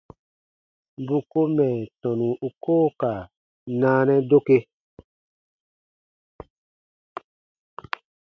Bù ko mɛ̀ tɔnu u koo ka naanɛ doke.